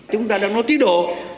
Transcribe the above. chúng ta đang nói tí độ